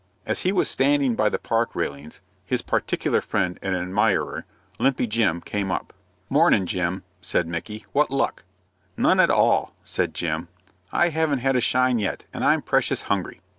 As he was standing by the park railings, his particular friend and admirer, Limpy Jim, came up. "Mornin', Jim," said Micky. "What luck?" "None at all," said Jim. "I haven't had a shine yet, and I'm precious hungry."